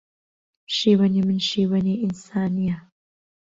شیوەنی من شیوەنی ئینسانییە